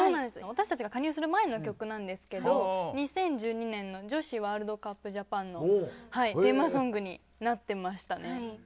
私たちが加入する前の曲なんですけど２０１２年の女子ワールドカップジャパンのテーマソングになってましたね。